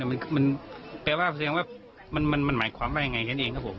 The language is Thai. มันแปลว่ามันหมายความว่าอย่างไรกันเองครับผม